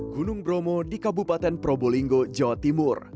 gunung bromo di kabupaten probolinggo jawa timur